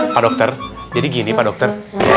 pak dokter jadi gini pak dokter